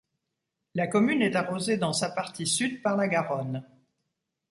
La commune est arrosée dans sa partie sud par la Garonne.